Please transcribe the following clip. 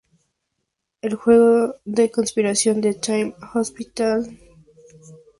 El juego se inspira en "Theme Hospital", "Dungeon Keeper", y "Dwarf Fortress".